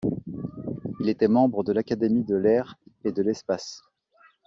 Il était membre de l'Académie de l'Air et de l'Espace.